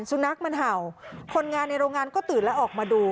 สุนัขมันเห่าคนงานในโรงงานก็ตื่นแล้วออกมาดู